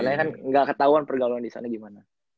makanya kan gak ketahuan pergaulan disana gimana